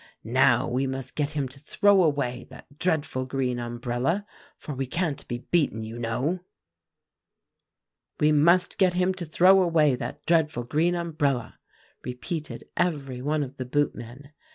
'Now we must get him to throw away that dreadful green umbrella, for we can't be beaten you know.' "'We must get him to throw away that dreadful green umbrella,' repeated every one of the boot men.